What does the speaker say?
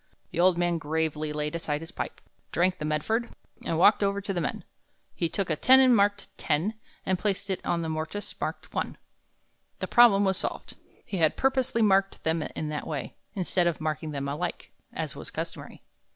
The old man gravely laid aside his pipe, drank the Medford, and walked over to the men. He took a tenon marked ten and placed it in a mortise marked one. The problem was solved. He had purposely marked them in that way, instead of marking them alike, as was customary.